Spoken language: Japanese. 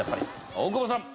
大久保さん。